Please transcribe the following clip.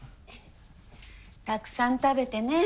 たくさん食べてね。